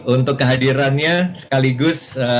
untuk kehadirannya sekaligus